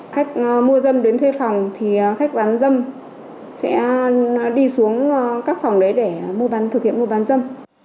khách mua dâm đến thuê phòng thì khách bán dâm sẽ đi xuống các phòng đấy để mua bán thực hiện mua bán dâm